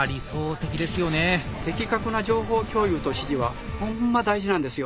的確な情報共有と指示はほんま大事なんですよ。